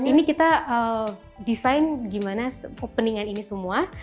nah ini kita desain gimana opening an ini semua